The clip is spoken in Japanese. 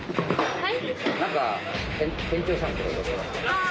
はい。